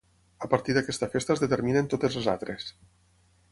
A partir d'aquesta festa es determinen totes les altres.